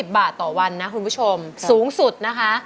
บาทต่อวันนะคุณผู้ชมสูงสุดนะคะ